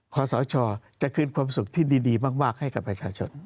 ขอสชจะคืนความสุขที่ดีมากให้กับประชาชน